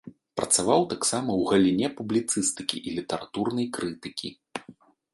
Працаваў таксама ў галіне публіцыстыкі і літаратурнай крытыкі.